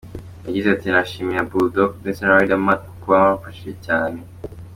Yagize ati “Nashimira Bull Dogg ndetse na Riderman kuko baramfashije cyane.